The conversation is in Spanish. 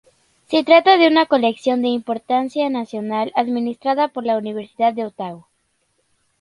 Se trata de una colección de importancia nacional administrada por la Universidad de Otago.